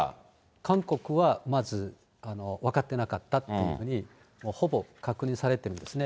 韓国はまず、分かってなかったっていうふうに、ほぼ確認されているんですね。